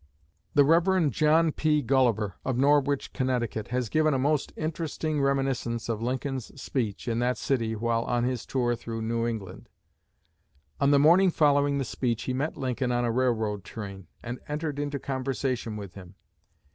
The Rev. John. P. Gulliver, of Norwich, Connecticut, has given a most interesting reminiscence of Lincoln's speech in that city while on his tour through New England. On the morning following the speech he met Lincoln on a railroad train, and entered into conversation with him.